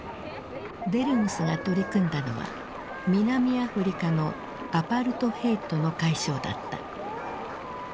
デルムスが取り組んだのは南アフリカのアパルトヘイトの解消だった。